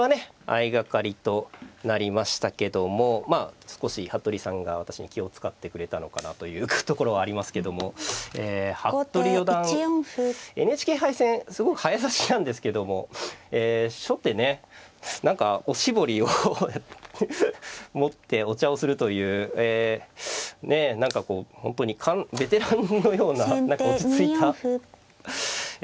相掛かりとなりましたけどもまあ少し服部さんが私に気を遣ってくれたのかなというところはありますけどもえ服部四段ＮＨＫ杯戦すごく早指しなんですけども初手ね何かおしぼりを持ってお茶をするというえねえ何かこう本当にベテランのような何か落ち着いた感じでしたね。